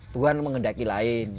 tuhan mengendaki lain